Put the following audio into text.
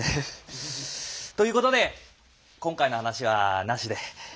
ということで今回の話はなしで。